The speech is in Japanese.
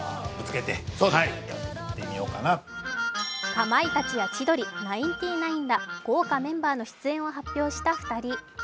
かまいたちや千鳥ナインティナインら豪華メンバーの出演を発表した２人。